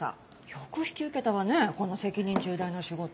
よく引き受けたわねぇこんな責任重大な仕事。